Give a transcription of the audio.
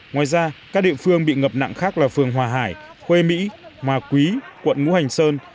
ngoài ra các địa phương bị ngập nặng khác là phường hòa hải khuê mỹ hòa quý quận ngũ hành sơn